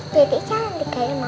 jadi jangan dikaya mama